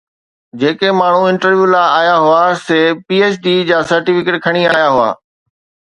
جيڪي ماڻهو انٽرويو لاءِ آيا هئا، سي پي ايڇ ڊي جا سرٽيفڪيٽ کڻي آيا هئا.